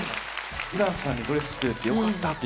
「ＵｒａＮさんにドレス作れてよかった」って。